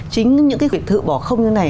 chính những cái biệt thự bỏ không như này